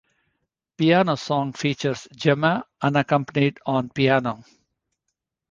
"Piano Song" features Gemma unaccompanied on Piano.